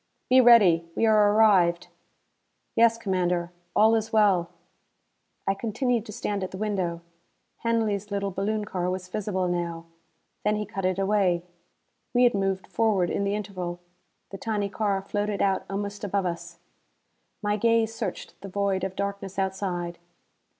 "Be ready. We are arrived." "Yes, Commander. All is well." I continued to stand at the window. Hanley's little balloon car was visible now. Then he cut it away. We had moved forward in the interval. The tiny car floated out almost above us. My gaze searched the void of darkness outside.